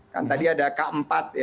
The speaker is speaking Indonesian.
kan tadi ada k empat ya